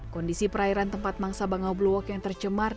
kondisi perairan tempat mangsa bangau blue walk yang tercemar